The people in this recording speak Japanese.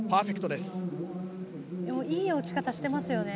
でもいい落ち方してますよね